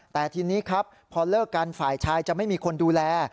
แต่ทีนี้ครับพอเลิกกันฝ่ายชายจะไม่มีคนดูแล